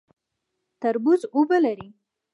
تربوز اوبه لري